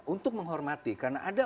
untuk menghormati karena ada